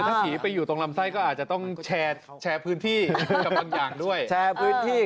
ถ้าผีไปอยู่ตรงลำไส้ก็อาจจะต้องแชร์พื้นที่